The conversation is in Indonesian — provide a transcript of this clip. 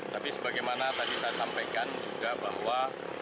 tapi sebagaimana tadi saya sampaikan juga bahwa